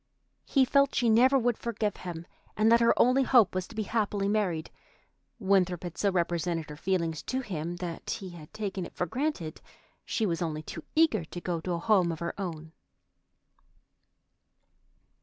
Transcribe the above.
He felt she never would forgive him, and that her only hope was to be happily married. Winthrop had so represented her feelings to him that he had taken it for granted she was only too eager to go to a home of her own.